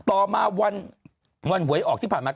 ต่อมาวันหวยออกที่ผ่านมา